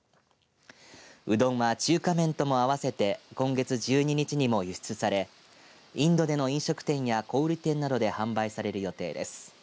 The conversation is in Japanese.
うどんは中華麺とも合わせて今月１２日にも輸出されインドでの飲食店や小売店などで販売される予定です。